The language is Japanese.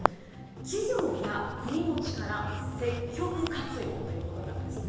企業や国の力、積極活用ということなんです。